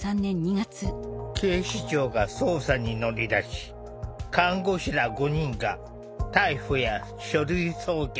警視庁が捜査に乗り出し看護師ら５人が逮捕や書類送検された。